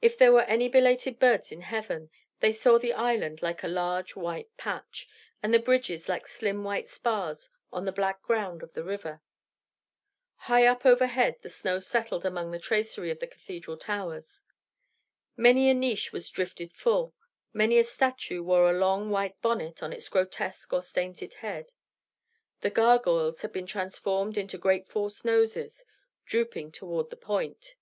If there were any belated birds in heaven, they saw the island like a large white patch, and the bridges like slim white spars, on the black ground of the river. High up overhead the snow settled among the tracery of the cathedral towers. Many a niche was drifted full; many a statue wore a long white bonnet on its grotesque or sainted head. The gargoyles had been transformed into great false noses, drooping toward the point.